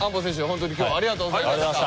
ホントに今日ありがとうございました。